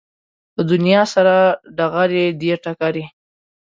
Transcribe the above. له دنیا سره ډغرې دي ټکرې